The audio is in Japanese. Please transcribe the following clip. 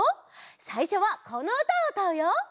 さいしょはこのうたをうたうよ！